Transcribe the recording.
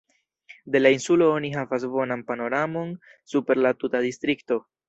De la insulo oni havas bonan panoramon super la tuta distrikto.